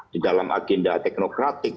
di dalam agenda teknokratik